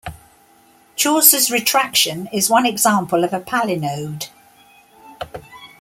Chaucer's Retraction is one example of a palinode.